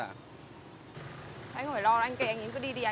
anh không phải lo anh kệ anh ý cứ đi đi anh